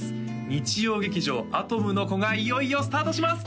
日曜劇場「アトムの童」がいよいよスタートします！